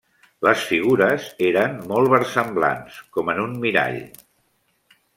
Les figures eren molt versemblants, com en un mirall.